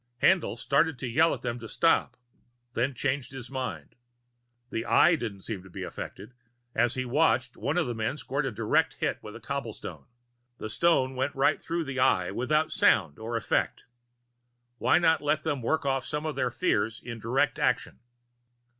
Haendl started to yell at them to stop, then changed his mind. The Eye didn't seem to be affected as he watched, one of the men scored a direct hit with a cobblestone. The stone went right through the Eye, without sound or effect; why not let them work off some of their fears in direct action?